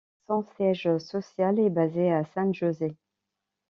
Son siège social est basé à San José.